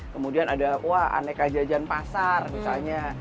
kemudian ada wah aneka jajan pasar misalnya